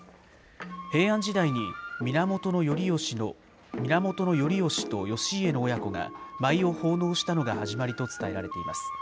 平安時代に源頼義と義家の親子が舞を奉納したのが始まりと伝えられています。